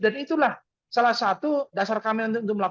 dan itulah salah satu dasar kami untuk mencari penjelasan